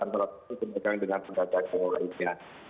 antara satu dengan pedagang lainnya